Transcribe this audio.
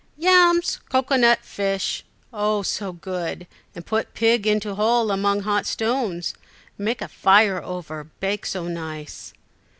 "Yams, cocoa nut, fish oh, so good, and put pig into hole among hot stones, make a fire over, bake so nice!"